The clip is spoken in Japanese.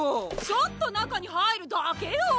ちょっとなかにはいるだけよ！